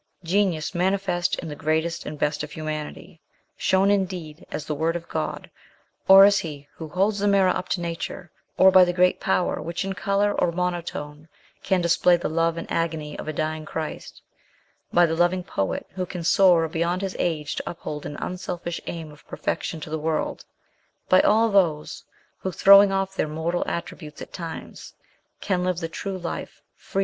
Genius mani fest in the greatest and best of humanity, shown indeed, as the Word of God, or as he who holds the mirror up to nature, or by the great power which in colour or monotone can display the love and agony of a dying Christ; by the loving poet, who can soar beyond his age to uphold an unselfish aim of perfec tion to the world ; by all those who, throwing off their mortal attributes at times, can live the true life free 168 MRS. SHELLEY.